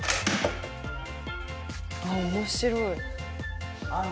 面白い。